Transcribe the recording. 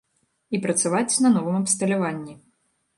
І працаваць на новым абсталяванні.